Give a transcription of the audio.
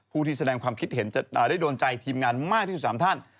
ผู้ที่แสดงความคิดเห็นจะได้โดนใจทีมงานมากที่สุด๓ท่าน